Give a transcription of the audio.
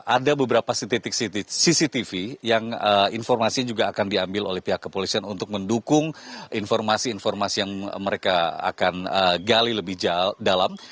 ada beberapa titik cctv yang informasinya juga akan diambil oleh pihak kepolisian untuk mendukung informasi informasi yang mereka akan gali lebih dalam